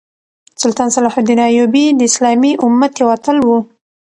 سلطان صلاح الدین ایوبي د اسلامي امت یو اتل وو.